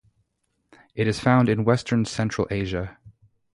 It is found in western central Asia.